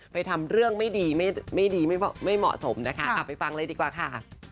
ไปทำเรื่องไม่ดีไม่เหมาะสมเอาไปฟังเลยดีกว่าค่ะ